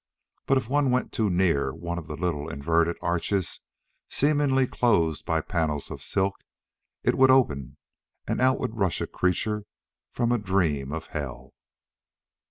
But if one went too near one of the little inverted arches seemingly closed by panels of silk it would open and out would rush a creature from a dream of hell.